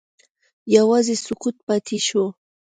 یوازې سکوت پاتې شو.